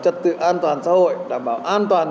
trật tự an toàn xã hội đảm bảo an toàn